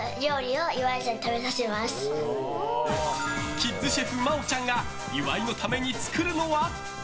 キッズシェフ真央ちゃんが岩井のために作るのは？